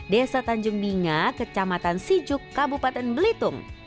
desa tanjung binga kecamatan sijuk kabupaten belitung